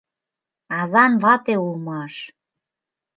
Азан вате улмаш!